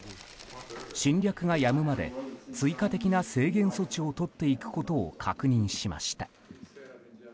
侵略がやむまで追加的な制限措置をとっていくことを確認しました。